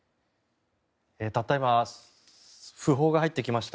たった今訃報が入ってきました。